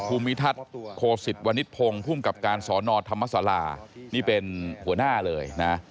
ภูมิทัศน์โคสิตวณิตพงศ์ภูมิกับการสอนอธรรมศาลานี่เป็นหัวหน้าเลยนะ